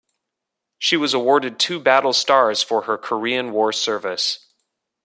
She was awarded two battle stars for her Korean War service.